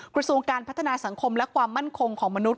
กระทรวงการพัฒนาสังคมและความมั่นคงของมนุษย